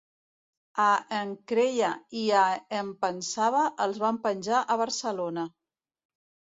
A en Creia i a en Pensava els van penjar a Barcelona.